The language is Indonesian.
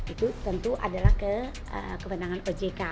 itu tentu adalah kebenangan ojk